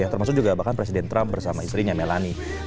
termasuk juga bahkan presiden trump bersama istrinya melani